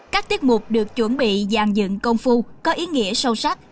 các tiết mục được chuẩn bị dàn dựng công phu có ý nghĩa sâu sắc